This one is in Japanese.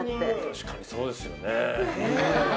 確かにそうですよね。